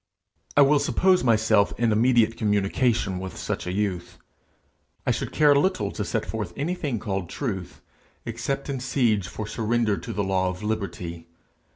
I will suppose myself in immediate communication with such a youth. I should care little to set forth anything called truth, except in siege for surrender to the law of liberty.